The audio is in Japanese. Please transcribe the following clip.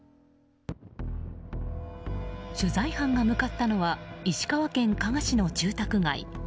取材班が向かったのは石川県加賀市の住宅街。